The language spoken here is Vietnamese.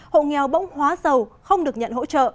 hộ nghèo bỗng hóa giàu không được nhận hỗ trợ